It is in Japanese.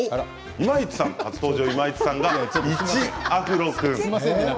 今市さん、初登場の今市さんが１アフロ君です。